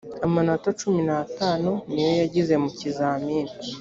amanota cumi n’atanu niyo yagize mu kizami